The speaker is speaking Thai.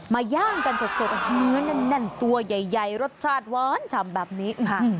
มาย่างกันสดเนื้อนั่นตัวใหญ่รสชาติว้อนทำแบบนี้